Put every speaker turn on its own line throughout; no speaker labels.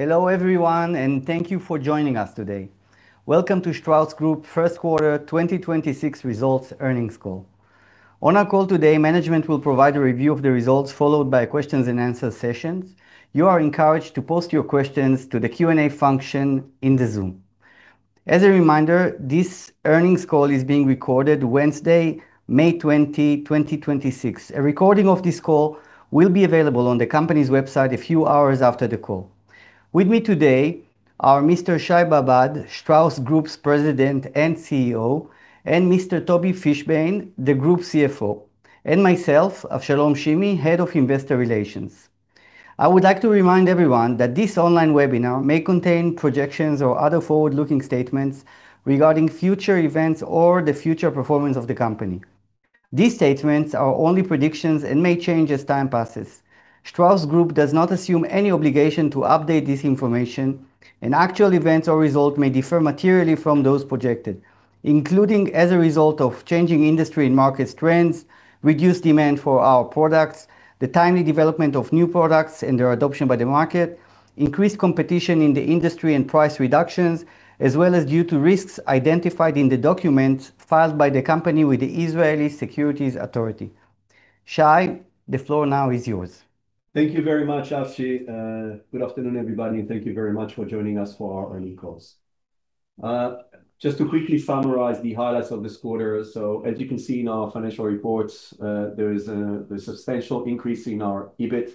Hello, everyone. Thank you for joining us today. Welcome to Strauss Group First Quarter 2026 Results Earnings Call. On our call today, management will provide a review of the results, followed by Q&A sessions. You are encouraged to post your questions to the Q&A function in the Zoom. As a reminder, this earnings call is being recorded Wednesday, May 20, 2026. A recording of this call will be available on the company's website a few hours after the call. With me today are Mr. Shai Babad, Strauss Group's President and CEO, and Mr. Tobi Fischbein, the Group CFO, and myself, Avshalom Shimi, Head of Investor Relations. I would like to remind everyone that this online webinar may contain projections or other forward-looking statements regarding future events or the future performance of the company. These statements are only predictions and may change as time passes. Strauss Group does not assume any obligation to update this information. Actual events or results may differ materially from those projected, including as a result of changing industry and market trends, reduced demand for our products, the timely development of new products and their adoption by the market, increased competition in the industry and price reductions, as well as due to risks identified in the documents filed by the company with the Israel Securities Authority. Shai, the floor now is yours.
Thank you very much, Avshi. Good afternoon, everybody, and thank you very much for joining us for our earnings call. Just to quickly summarize the highlights of this quarter. As you can see in our financial reports, there is a substantial increase in our EBIT.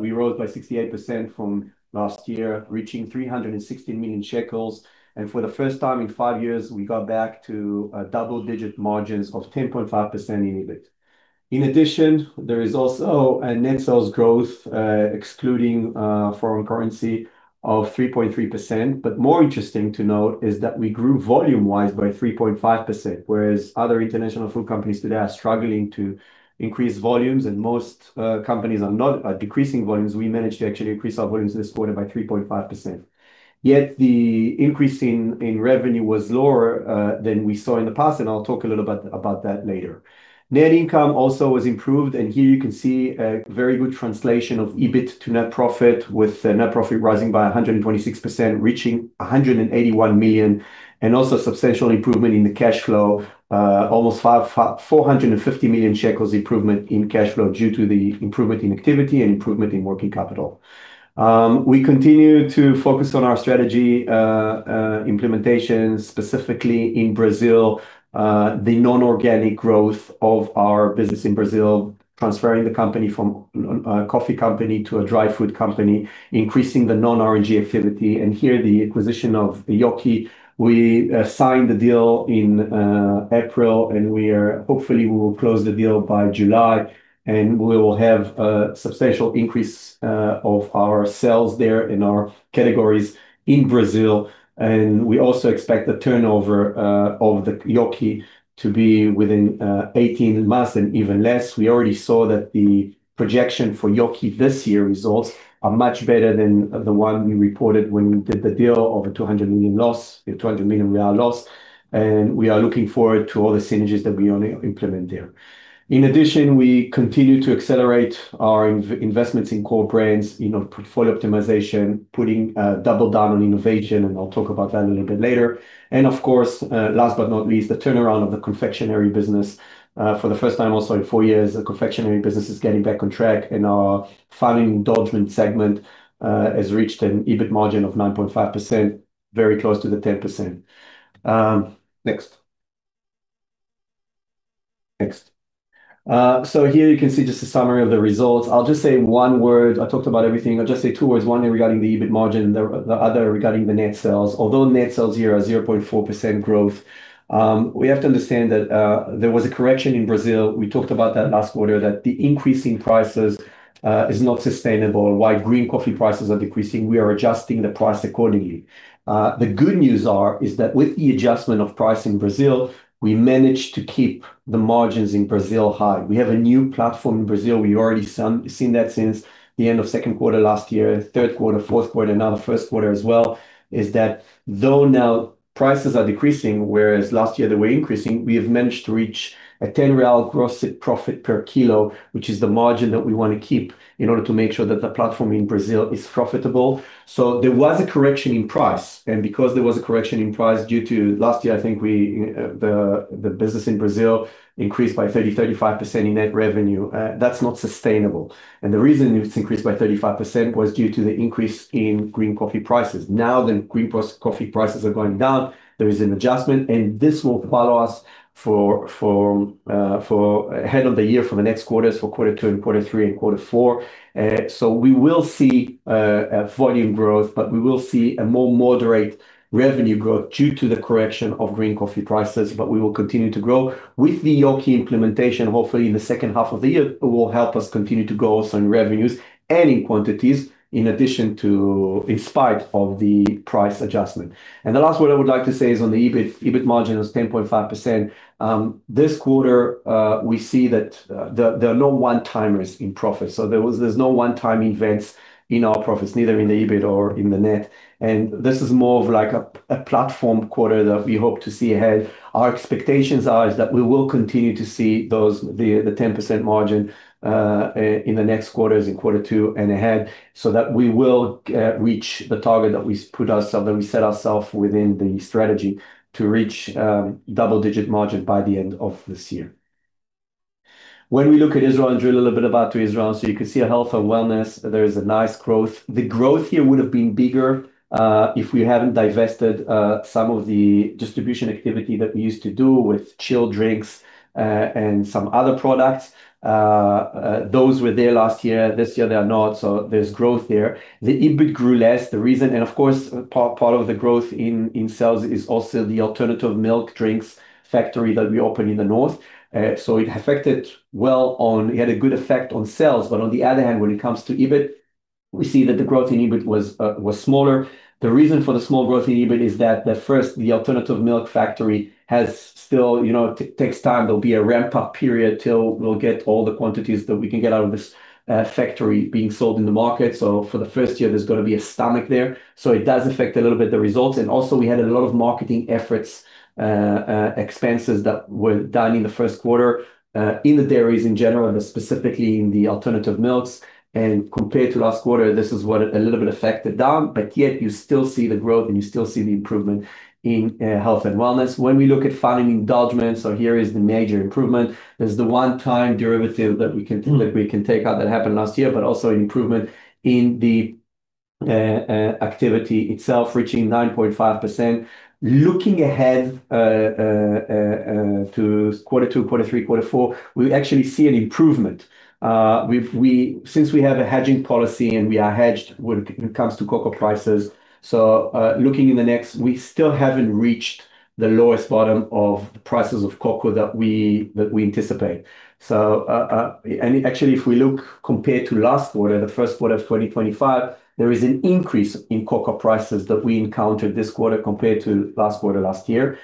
We rose by 68% from last year, reaching 316 million shekels. For the first time in five years, we got back to double-digit margins of 10.5% in EBIT. In addition, there is also a net sales growth, excluding foreign currency, of 3.3%. More interesting to note is that we grew volume wise by 3.5%, whereas other international food companies today are struggling to increase volumes and most companies are decreasing volumes. We managed to actually increase our volumes this quarter by 3.5%. The increase in revenue was lower than we saw in the past, and I'll talk a little about that later. Net income also was improved, and here you can see a very good translation of EBIT to net profit, with net profit rising by 126%, reaching 181 million. Also substantial improvement in the cash flow. Almost 450 million shekels improvement in cash flow due to the improvement in activity and improvement in working capital. We continue to focus on our strategy implementation, specifically in Brazil, the non-organic growth of our business in Brazil, transferring the company from a coffee company to a dry food company, increasing the non-R&G activity. Here the acquisition of Yoki. We signed the deal in April, and hopefully, we will close the deal by July, and we will have a substantial increase of our sales there in our categories in Brazil. We also expect the turnover of the Yoki to be within 18 months and even less. We already saw that the projection for Yoki this year results are much better than the one we reported when we did the deal of a 200 million loss. We are looking forward to all the synergies that we implement there. In addition, we continue to accelerate our investments in core brands, in our portfolio optimization, double down on innovation, and I'll talk about that a little bit later. Of course, last but not least, the turnaround of the confectionery business. For the first time also in four years, the confectionery business is getting back on track, and our Fun & Indulgence segment has reached an EBIT margin of 9.5%, very close to the 10%. Next. Here you can see just a summary of the results. I'll just say one word. I talked about everything. I'll just say two words. One regarding the EBIT margin, the other regarding the net sales. Although net sales here are 0.4% growth, we have to understand that there was a correction in Brazil. We talked about that last quarter, that the increase in prices is not sustainable. While green coffee prices are decreasing, we are adjusting the price accordingly. The good news is that with the adjustment of price in Brazil, we managed to keep the margins in Brazil high. We have a new platform in Brazil. We've already seen that since the end of second quarter last year, third quarter, fourth quarter. The first quarter as well is that though prices are decreasing, whereas last year they were increasing, we have managed to reach a 10 real gross profit per kilo, which is the margin that we want to keep in order to make sure that the platform in Brazil is profitable. There was a correction in price, and because there was a correction in price due to last year, I think the business in Brazil increased by 30, 35% in net revenue. That is not sustainable. The reason it increased by 35% was due to the increase in green coffee prices. The green coffee prices are going down. There is an adjustment, and this will follow us ahead of the year for the next quarters, for quarter two and quarter three and quarter four. We will see volume growth, but we will see a more moderate revenue growth due to the correction of green coffee prices. We will continue to grow with the Yoki implementation, hopefully in the second half of the year will help us continue to grow also in revenues and in quantities in spite of the price adjustment. The last word I would like to say is on the EBIT. EBIT margin was 10.5%. This quarter, we see that there are no one-timers in profit. There's no one-time events in our profits, neither in the EBIT or in the net. This is more of a platform quarter that we hope to see ahead. Our expectations are that we will continue to see the 10% margin in the next quarters, in quarter two and ahead, so that we will reach the target that we set ourself within the strategy to reach double-digit margin by the end of this year. We look at Israel and drill a little bit about Israel, you can see a Health & Wellness. There is a nice growth. The growth here would've been bigger, if we haven't divested some of the distribution activity that we used to do with chilled drinks and some other products. Those were there last year. This year, they are not. There's growth there. The EBIT grew less, the reason, and of course, part of the growth in sales is also the alternative milk drinks factory that we opened in the north. It had a good effect on sales. On the other hand, when it comes to EBIT, we see that the growth in EBIT was smaller. The reason for the small growth in EBIT is that at first, the alternative milk factory takes time. There'll be a ramp-up period till we'll get all the quantities that we can get out of this factory being sold in the market. For the first year, there's going to be a stomach there. It does affect a little bit the results. Also we had a lot of marketing efforts, expenses that were done in the first quarter, in the dairies in general, but specifically in the alternative milks. Compared to last quarter, this is what a little bit affected down, but yet you still see the growth and you still see the improvement in Health & Wellness. When we look at Fun & Indulgence, so here is the major improvement. There's the one-time derivative that we can take out that happened last year, but also improvement in the activity itself reaching 9.5%. Looking ahead to quarter two, quarter three, quarter four, we actually see an improvement. We have a hedging policy and we are hedged when it comes to cocoa prices. Looking in the next, we still haven't reached the lowest bottom of the prices of cocoa that we anticipate. Actually, if we look compared to last quarter, the first quarter of 2025, there is an increase in cocoa prices that we encountered this quarter compared to last quarter last year.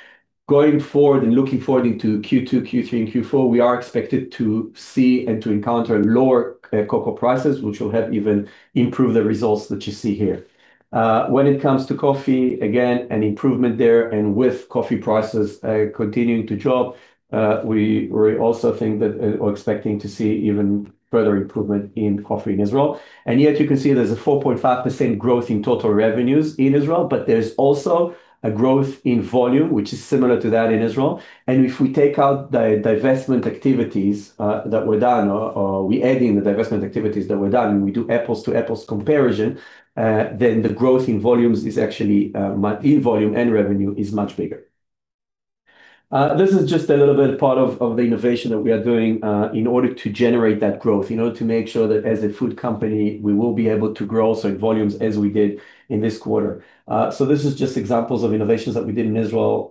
Going forward and looking forward into Q2, Q3, and Q4, we are expected to see and to encounter lower cocoa prices, which will help even improve the results that you see here. When it comes to coffee, again, an improvement there. With coffee prices continuing to drop, we are expecting to see even further improvement in coffee in Israel. You can see there is a 4.5% growth in total revenues in Israel, but there is also a growth in volume, which is similar to that in Israel. If we take out the divestment activities that were done or we add in the divestment activities that were done, and we do apples to apples comparison, then the growth in volume and revenue is much bigger. This is just a little bit part of the innovation that we are doing, in order to generate that growth, in order to make sure that as a food company, we will be able to grow also in volumes as we did in this quarter. This is just examples of innovations that we did in Israel,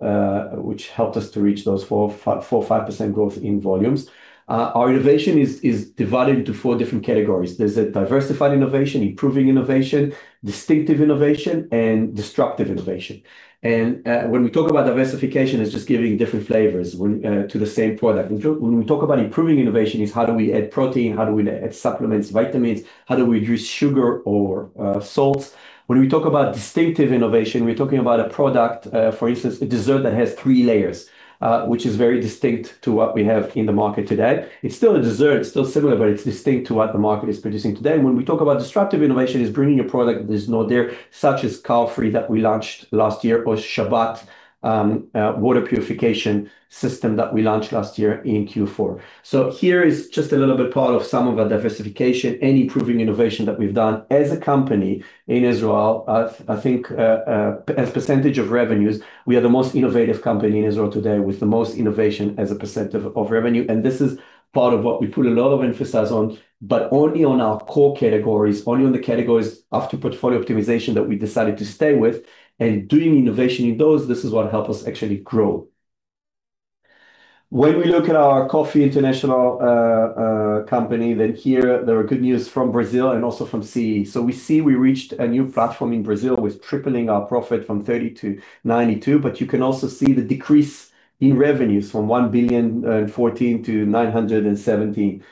which helped us to reach those 4%, 5% growth in volumes. Our innovation is divided into four different categories. There's a diversified innovation, improving innovation, distinctive innovation, and disruptive innovation. When we talk about diversification, it's just giving different flavors to the same product. When we talk about improving innovation, is how do we add protein? How do we add supplements, vitamins? How do we reduce sugar or salts? When we talk about distinctive innovation, we're talking about a product, for instance, a dessert that has three layers, which is very distinct to what we have in the market today. It's still a dessert, it's still similar, but it's distinct to what the market is producing today. When we talk about disruptive innovation is bringing a product that is not there, such as CowFree that we launched last year, or Tami4Shabbat water purification system that we launched last year in Q4. Here is just a little bit part of some of the diversification and improving innovation that we've done as a company in Israel. I think, as percentage of revenues, we are the most innovative company in Israel today with the most innovation as a percent of revenue. This is part of what we put a lot of emphasis on. Only on our core categories, only on the categories after portfolio optimization that we decided to stay with and doing innovation in those, this is what help us actually grow. When we look at our Strauss Coffee, here, there are good news from Brazil and also from CEE. We see we reached a new platform in Brazil with tripling our profit from 30 million to 92 million. You can also see the decrease in revenues from 1.014 billion to 970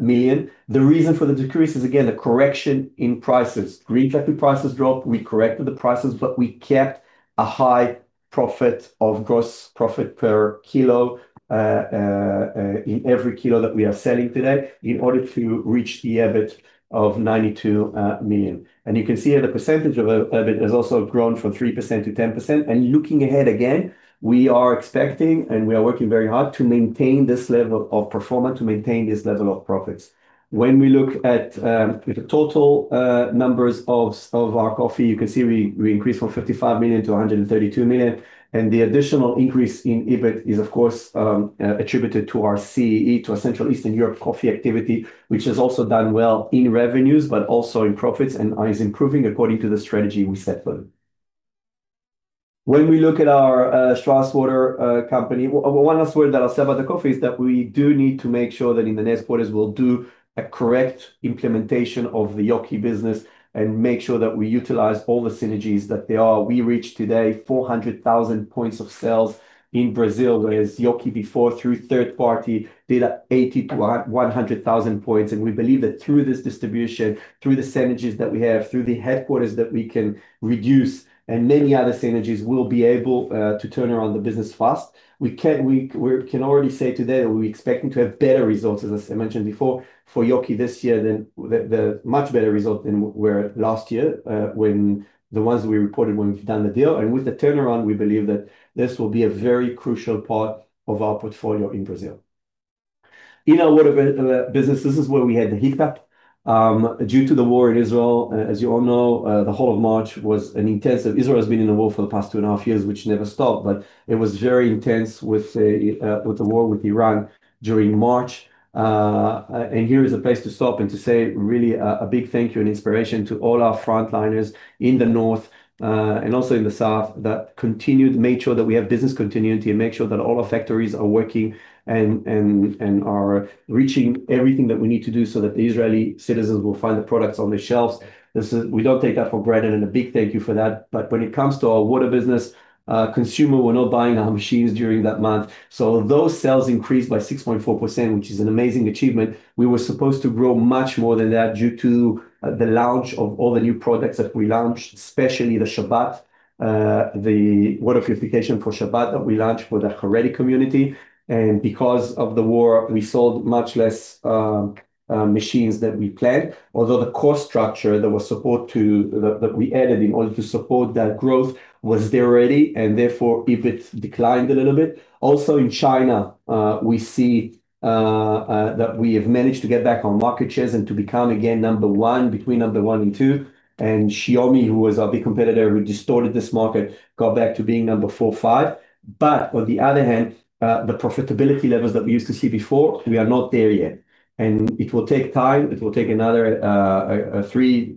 million. The reason for the decrease is again, the correction in prices. Green coffee prices dropped. We corrected the prices, but we kept a high profit of gross profit per kilo, in every kilo that we are selling today in order to reach the EBIT of 92 million. You can see the percentage of EBIT has also grown from 3%-10%. Looking ahead again, we are expecting, and we are working very hard to maintain this level of performance, to maintain this level of profits. When we look at the total numbers of our Coffee, you can see we increased from 55 million to 132 million. The additional increase in EBIT is of course, attributed to our CEE, to our Central Eastern Europe coffee activity, which has also done well in revenues, but also in profits and is improving according to the strategy we set for them. When we look at our Strauss Water company. One last word that I'll say about the coffee is that we do need to make sure that in the next quarters we'll do a correct implementation of the Yoki business and make sure that we utilize all the synergies that there are. We reached today 400,000 points of sales in Brazil, whereas Yoki before, through third party, did 80,000-100,000 points. We believe that through this distribution, through the synergies that we have, through the headquarters that we can reduce and many other synergies, we'll be able to turn around the business fast. We can already say today that we're expecting to have better results, as I mentioned before, for Yoki this year than the much better result than were last year, when the ones we reported when we've done the deal. With the turnaround, we believe that this will be a very crucial part of our portfolio in Brazil. In our water business, this is where we had the hiccup. Due to the war in Israel, as you all know, the whole of March was an intensive. Israel has been in the war for the past 2.5 years, which never stopped, but it was very intense with the war with Iran during March. Here is a place to stop and to say, really, a big thank you and inspiration to all our frontliners in the north and also in the south that continued, made sure that we have business continuity and made sure that all our factories are working and are reaching everything that we need to do so that the Israeli citizens will find the products on the shelves. We don't take that for granted, and a big thank you for that. When it comes to our water business, consumer were not buying our machines during that month. Although sales increased by 6.4%, which is an amazing achievement, we were supposed to grow much more than that due to the launch of all the new products that we launched, especially the Tami4Shabbat, the water purification forTami4Shabbat that we launched for the Haredi community. Because of the war, we sold much less machines than we planned. Although the core structure that we added in order to support that growth was there already, therefore, EBIT declined a little bit. Also in China, we see that we have managed to get back on market shares and to become again number one, between number one and two. Xiaomi, who was our big competitor, who distorted this market, got back to being number four, five. On the other hand, the profitability levels that we used to see before, we are not there yet. It will take time. It will take another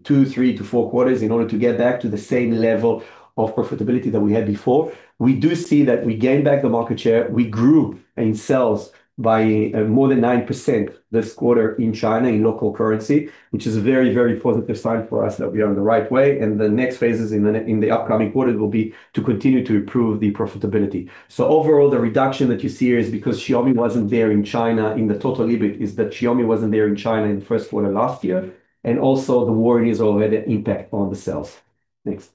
two, three to four quarters in order to get back to the same level of profitability that we had before. We do see that we gained back the market share. We grew in sales by more than 9% this quarter in China in local currency, which is a very, very positive sign for us that we are on the right way. The next phases in the upcoming quarter will be to continue to improve the profitability. Overall, the reduction that you see here is because Xiaomi wasn't there in China in the total EBIT, is that Xiaomi wasn't there in China in first quarter last year, and also the war in Israel had an impact on the sales. Next.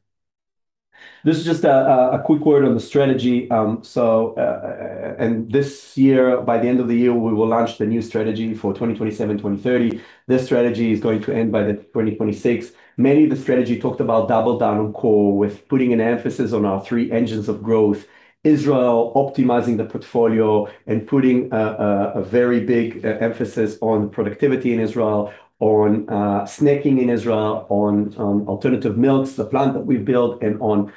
This is just a quick word on the strategy. This year, by the end of the year, we will launch the new strategy for 2027, 2030. This strategy is going to end by the 2026. Many of the strategy talked about double down on core with putting an emphasis on our three engines of growth, Israel optimizing the portfolio and putting a very big emphasis on productivity in Israel, on snacking in Israel, on alternative milks, the plant that we've built, and on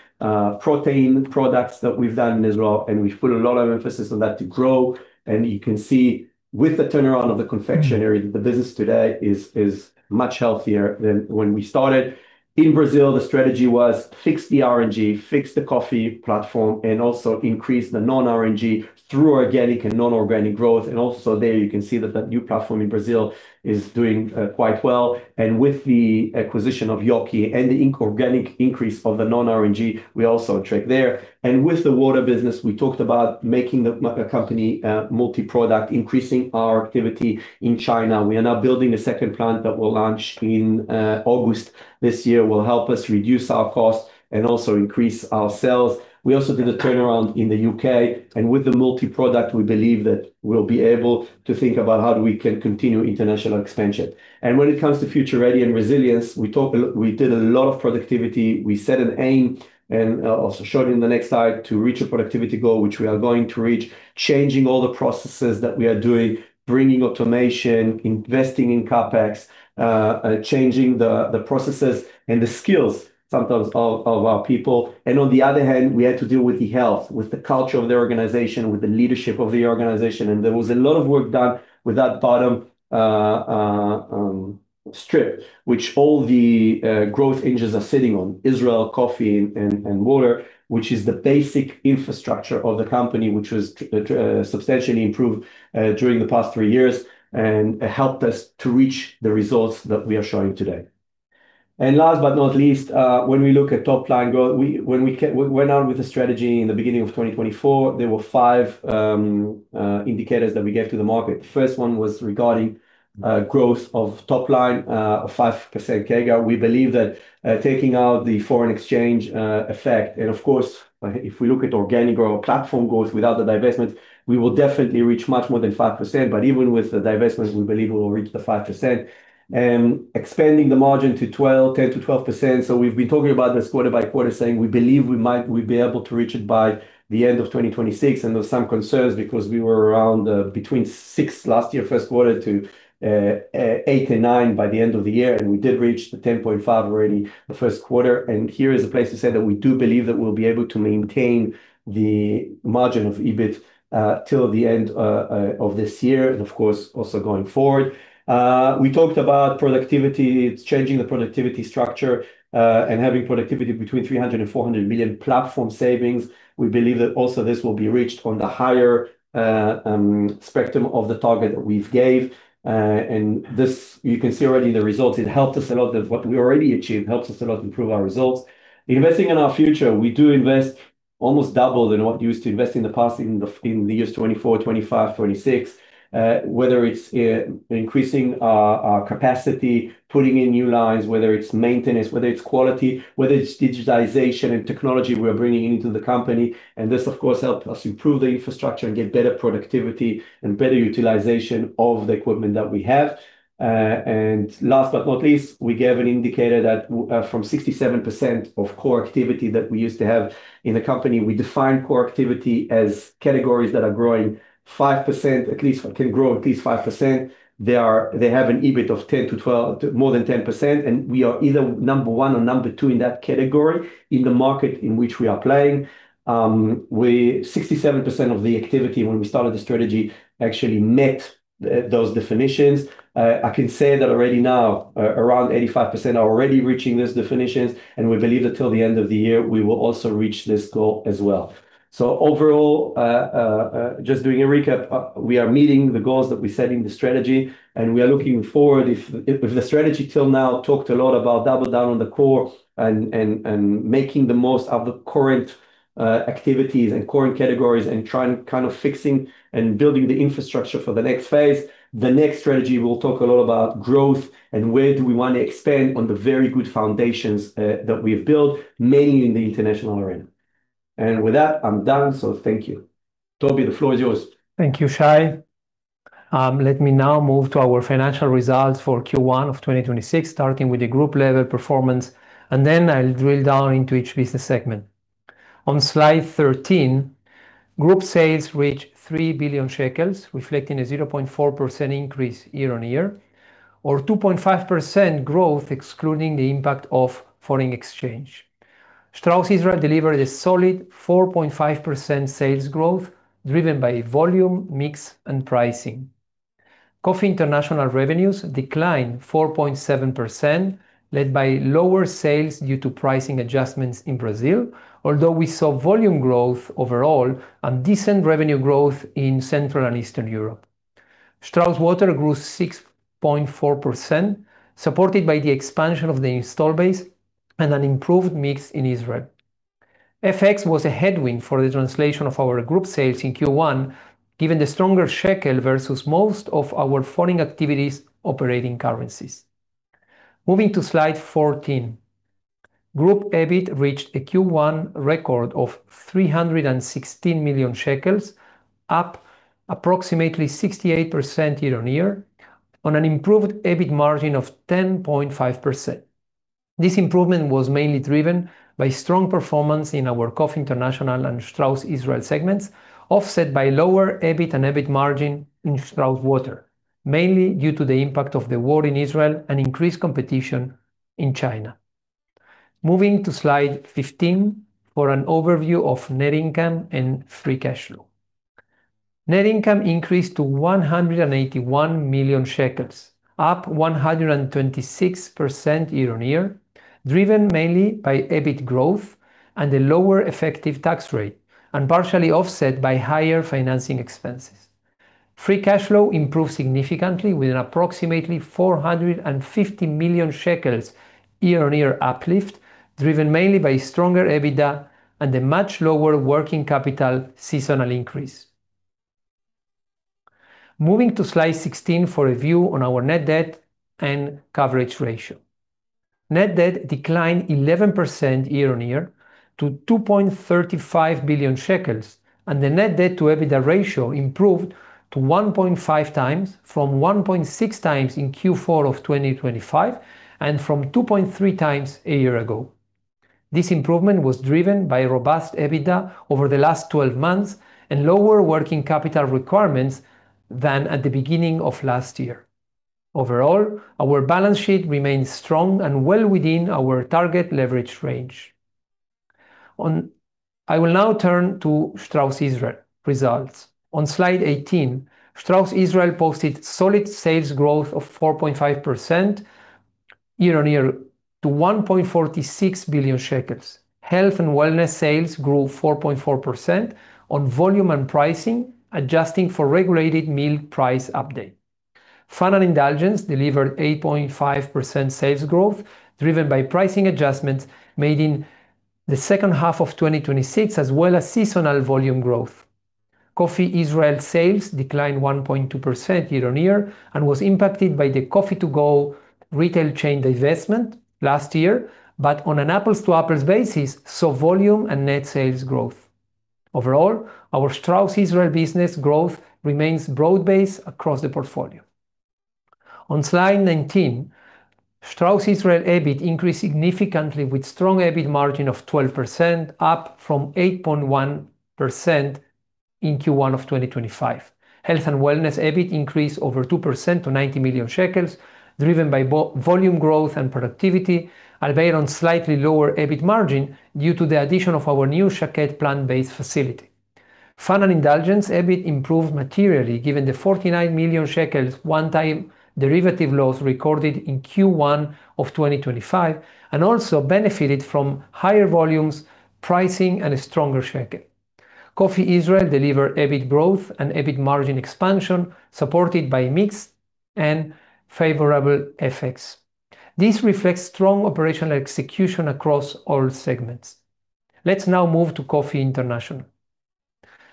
protein products that we've done in Israel. We put a lot of emphasis on that to grow. You can see with the turnaround of the confectionery, that the business today is much healthier than when we started. In Brazil, the strategy was fix the R&G, fix the coffee platform, and also increase the non-R&G through organic and non-organic growth. Also there you can see that that new platform in Brazil is doing quite well. With the acquisition of Yoki and the organic increase of the non-R&G, we also attract there. With the water business, we talked about making the company multi-product, increasing our activity in China. We are now building a second plant that will launch in August this year, will help us reduce our cost and also increase our sales. We also did a turnaround in the U.K., and with the multi-product, we believe that we'll be able to think about how we can continue international expansion. When it comes to future ready and resilience, we did a lot of productivity. We set an aim, and I'll show you in the next slide, to reach a productivity goal, which we are going to reach, changing all the processes that we are doing, bringing automation, investing in CapEx, changing the processes and the skills sometimes of our people. On the other hand, we had to deal with the health, with the culture of the organization, with the leadership of the organization. There was a lot of work done with that bottom strip, which all the growth engines are sitting on, Israel, Coffee, and Water, which is the basic infrastructure of the company, which was substantially improved during the past three years and helped us to reach the results that we are showing today. Last but not least, when we look at top-line growth, when we went out with the strategy in the beginning of 2024, there were five indicators that we gave to the market. First one was regarding growth of top line of 5% CAGR. We believe that taking out the foreign exchange effect, and of course, if we look at organic growth, platform growth without the divestment, we will definitely reach much more than 5%. Even with the divestment, we believe we will reach the 5%. Expanding the margin to 12%, 10%-12%. We've been talking about this quarter by quarter, saying we believe we'd be able to reach it by the end of 2026. There was some concerns because we were around between 6% last year, Q1, to 8%-9% by the end of the year. We did reach the 10.5% already the Q1. Here is a place to say that we do believe that we'll be able to maintain the margin of EBIT till the end of this year, and of course, also going forward. We talked about productivity. It's changing the productivity structure, having productivity between 300 million and 400 million platform savings. We believe that also this will be reached on the higher spectrum of the target that we've gave. This, you can see already the results. It helped us a lot. What we already achieved helps us a lot to improve our results. Investing in our future, we do invest almost double than what we used to invest in the past in the years 2024, 2025, 2026. Whether it's increasing our capacity, putting in new lines, whether it's maintenance, whether it's quality, whether it's digitization and technology we are bringing into the company. This, of course, help us improve the infrastructure and get better productivity and better utilization of the equipment that we have. Last but not least, we gave an indicator that from 67% of core activity that we used to have in the company, we define core activity as categories that can grow at least 5%. They have an EBIT of more than 10%. We are either number one or number two in that category in the market in which we are playing. 67% of the activity when we started the strategy actually met those definitions. I can say that already now, around 85% are already reaching those definitions. We believe that till the end of the year, we will also reach this goal as well. Overall, just doing a recap, we are meeting the goals that we set in the strategy. We are looking forward. If the strategy till now talked a lot about double down on the core and making the most of the current activities and current categories and trying kind of fixing and building the infrastructure for the next phase. The next strategy will talk a lot about growth and where do we want to expand on the very good foundations that we've built, mainly in the international arena. With that, I'm done. Thank you. Tobi, the floor is yours.
Thank you, Shai. Let me now move to our financial results for Q1 of 2026, starting with the group level performance, and then I'll drill down into each business segment. On slide 13, group sales reached 3 billion shekels, reflecting a 0.4% increase year-on-year, or 2.5% growth excluding the impact of foreign exchange. Strauss Israel delivered a solid 4.5% sales growth, driven by volume, mix, and pricing. Coffee International revenues declined 4.7%, led by lower sales due to pricing adjustments in Brazil, although we saw volume growth overall and decent revenue growth in Central and Eastern Europe. Strauss Water grew 6.4%, supported by the expansion of the install base and an improved mix in Israel. FX was a headwind for the translation of our group sales in Q1, given the stronger shekel versus most of our foreign activities' operating currencies. Moving to slide 14. Group EBIT reached a Q1 record of 316 million shekels, up approximately 68% year-on-year on an improved EBIT margin of 10.5%. This improvement was mainly driven by strong performance in our Coffee International and Strauss Israel segments, offset by lower EBIT and EBIT margin in Strauss Water, mainly due to the impact of the war in Israel and increased competition in China. Moving to slide 15 for an overview of net income and free cash flow. Net income increased to 181 million shekels, up 126% year-on-year, driven mainly by EBIT growth and a lower effective tax rate, and partially offset by higher financing expenses. Free cash flow improved significantly with an approximately 450 million shekels year-on-year uplift, driven mainly by stronger EBITDA and a much lower working capital seasonal increase. Moving to slide 16 for a view on our net debt and coverage ratio. Net debt declined 11% year-on-year to 2.35 billion shekels, and the net debt to EBITDA ratio improved to 1.5 times from 1.6 times in Q4 of 2025, and from 2.3 times a year ago. This improvement was driven by robust EBITDA over the last 12 months and lower working capital requirements than at the beginning of last year. Overall, our balance sheet remains strong and well within our target leverage range. I will now turn to Strauss Israel results. On slide 18, Strauss Israel posted solid sales growth of 4.5% year-on-year to 1.46 billion shekels. Health & Wellness sales grew 4.4% on volume and pricing, adjusting for regulated milk price update. Fun & Indulgence delivered 8.5% sales growth, driven by pricing adjustments made in the second half of 2026, as well as seasonal volume growth. Coffee Israel sales declined 1.2% year-on-year and was impacted by the Coffee to Go retail chain divestment last year, but on an apples-to-apples basis, saw volume and net sales growth. Overall, our Strauss Israel business growth remains broad-based across the portfolio. On slide 19, Strauss Israel EBIT increased significantly with strong EBIT margin of 12%, up from 8.1% in Q1 of 2025. Health & Wellness EBIT increased over 2% to 90 million shekels, driven by volume growth and productivity, albeit on slightly lower EBIT margin due to the addition of our new Shaked plant-based facility. Fun & Indulgence EBIT improved materially given the 49 million shekels one-time derivative loss recorded in Q1 of 2025, and also benefited from higher volumes, pricing, and a stronger shekel. Coffee Israel delivered EBIT growth and EBIT margin expansion supported by mix and favorable FX. This reflects strong operational execution across all segments. Let's now move to Coffee International.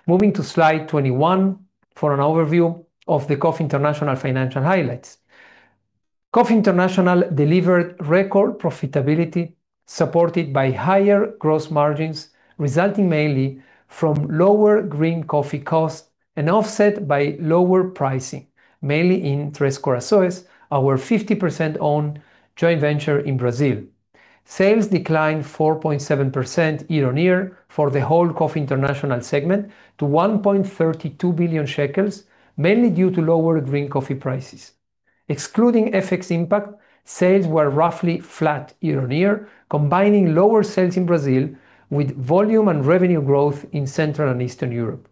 Moving to slide 21 for an overview of the Coffee International financial highlights. Coffee International delivered record profitability, supported by higher gross margins, resulting mainly from lower green coffee costs and offset by lower pricing, mainly in Três Corações, our 50% owned joint venture in Brazil. Sales declined 4.7% year-on-year for the whole Coffee International segment to 1.32 billion shekels, mainly due to lower green coffee prices. Excluding FX impact, sales were roughly flat year-on-year, combining lower sales in Brazil with volume and revenue growth in Central and Eastern Europe.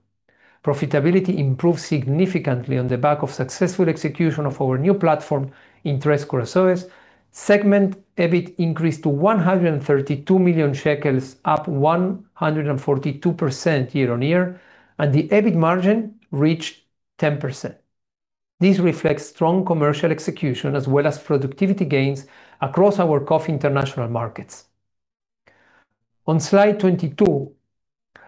Profitability improved significantly on the back of successful execution of our new platform in Três Corações. Segment EBIT increased to 132 million shekels, up 142% year-on-year, and the EBIT margin reached 10%. This reflects strong commercial execution as well as productivity gains across our Coffee International markets. On slide 22,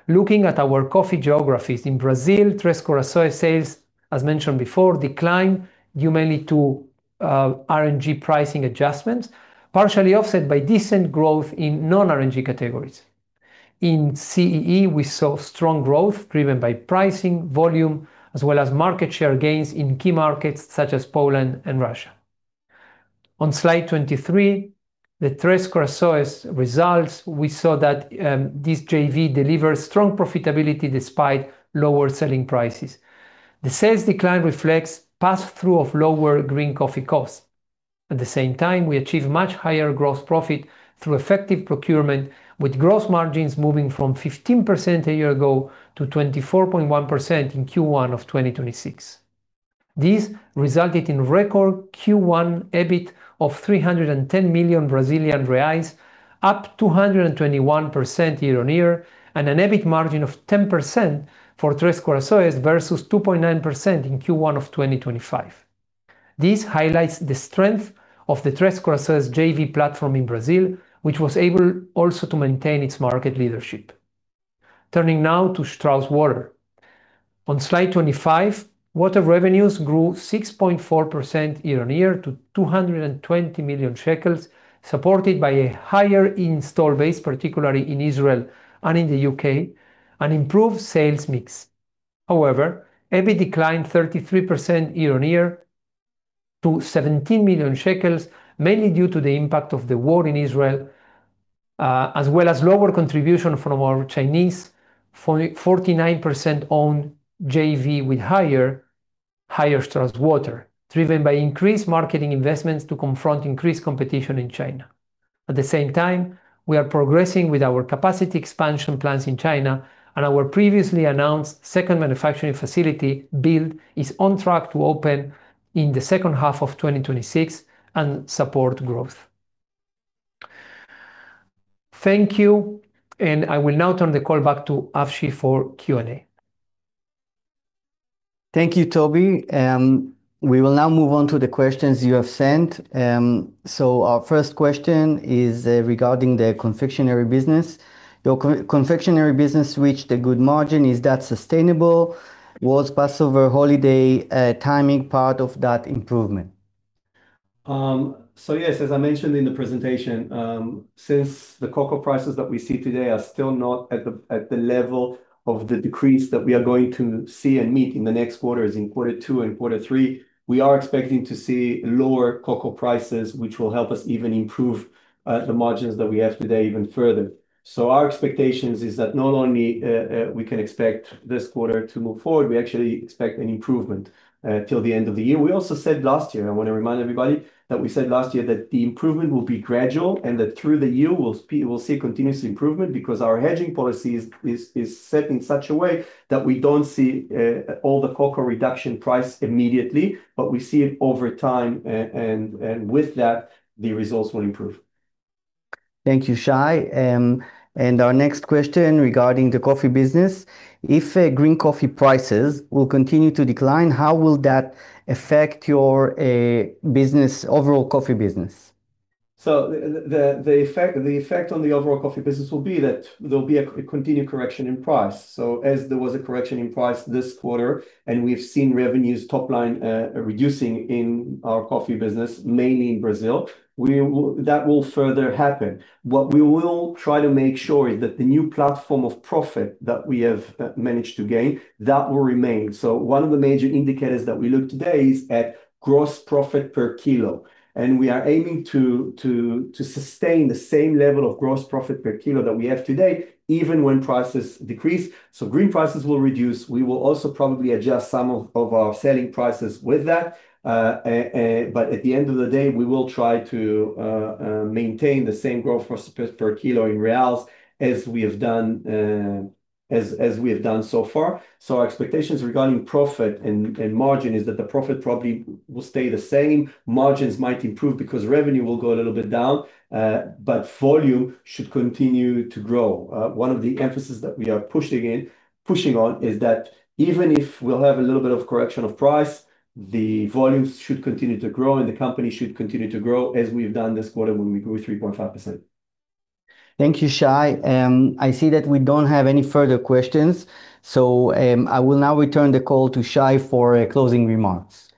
looking at our coffee geographies in Brazil, Três Corações sales, as mentioned before, declined due mainly to R&G pricing adjustments, partially offset by decent growth in non-R&G categories. In CEE, we saw strong growth driven by pricing, volume, as well as market share gains in key markets such as Poland and Russia. On slide 23, the Três Corações results, we saw that this JV delivers strong profitability despite lower selling prices. The sales decline reflects pass-through of lower green coffee costs. At the same time, we achieved much higher gross profit through effective procurement, with gross margins moving from 15% a year ago to 24.1% in Q1 of 2026. This resulted in record Q1 EBIT of 310 million Brazilian reais, up 221% year-on-year, and an EBIT margin of 10% for Três Corações versus 2.9% in Q1 of 2025. This highlights the strength of the Três Corações JV platform in Brazil, which was able also to maintain its market leadership. Turning now to Strauss Water. On slide 25, water revenues grew 6.4% year-on-year to 220 million shekels, supported by a higher install base, particularly in Israel and in the U.K., and improved sales mix. However, EBIT declined 33% year-on-year to 17 million shekels, mainly due to the impact of the war in Israel, as well as lower contribution from our Chinese 49% owned JV with Haier Strauss Water, driven by increased marketing investments to confront increased competition in China. At the same time, we are progressing with our capacity expansion plans in China, and our previously announced second manufacturing facility build is on track to open in the second half of 2026 and support growth. Thank you, I will now turn the call back to Avshi for Q&A.
Thank you, Tobi. We will now move on to the questions you have sent. Our first question is regarding the confectionery business. "Your confectionery business reached a good margin. Is that sustainable? Was Passover holiday timing part of that improvement?
Yes, as I mentioned in the presentation, since the cocoa prices that we see today are still not at the level of the decrease that we are going to see and meet in the next quarters, in quarter two and quarter three, we are expecting to see lower cocoa prices, which will help us even improve the margins that we have today even further. Our expectations is that not only we can expect this quarter to move forward, we actually expect an improvement till the end of the year. We also said last year, I want to remind everybody, that we said last year that the improvement will be gradual and that through the year, we'll see continuous improvement because our hedging policy is set in such a way that we don't see all the cocoa reduction price immediately, but we see it over time, and with that, the results will improve.
Thank you, Shai. Our next question regarding the coffee business. "If green coffee prices will continue to decline, how will that affect your overall coffee business?
The effect on the overall coffee business will be that there'll be a continued correction in price. As there was a correction in price this quarter, and we've seen revenues top line reducing in our coffee business, mainly in Brazil, that will further happen. What we will try to make sure is that the new platform of profit that we have managed to gain, that will remain. One of the major indicators that we look today is at gross profit per kilo. We are aiming to sustain the same level of gross profit per kilo that we have today, even when prices decrease. Green prices will reduce. We will also probably adjust some of our selling prices with that. At the end of the day, we will try to maintain the same gross profit per kilo in reals as we have done so far. Our expectations regarding profit and margin is that the profit probably will stay the same. Margins might improve because revenue will go a little bit down. Volume should continue to grow. One of the emphasis that we are pushing on is that even if we'll have a little bit of correction of price, the volumes should continue to grow and the company should continue to grow as we've done this quarter when we grew 3.5%.
Thank you, Shai. I see that we don't have any further questions. I will now return the call to Shai for closing remarks.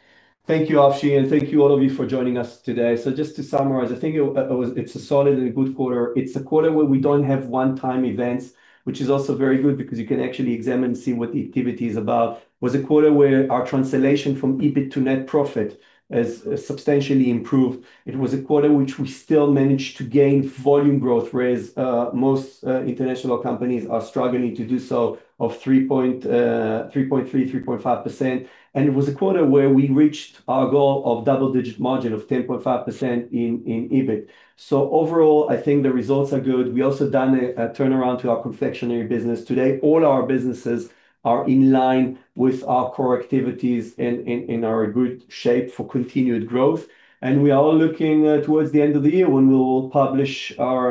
Thank you, Avshi, and thank you all of you for joining us today. Just to summarize, I think it's a solid and a good quarter. It's a quarter where we don't have one-time events, which is also very good because you can actually examine and see what the activity is about. It was a quarter where our translation from EBIT to net profit has substantially improved. It was a quarter which we still managed to gain volume growth, whereas most international companies are struggling to do so, of 3.3%, 3.5%. It was a quarter where we reached our goal of double-digit margin of 10.5% in EBIT. Overall, I think the results are good. We've also done a turnaround to our confectionery business. Today, all our businesses are in line with our core activities and are in good shape for continued growth. We are all looking towards the end of the year when we will publish our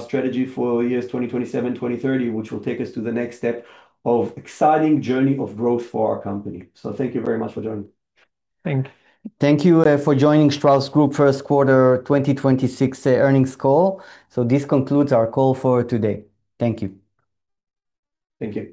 strategy for years 2027, 2030, which will take us to the next step of exciting journey of growth for our company. Thank you very much for joining.
Thank you.
Thank you for joining Strauss Group first quarter 2026 earnings call. This concludes our call for today. Thank you.
Thank you.